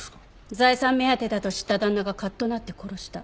財産目当てだと知った旦那がカッとなって殺した。